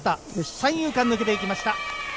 三遊間抜けて行きました。